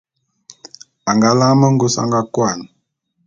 A nga lane mengôs a nga kôan.